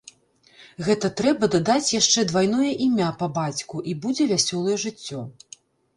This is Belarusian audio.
Гэта трэба дадаць яшчэ двайное імя па бацьку, і будзе вясёлае жыццё.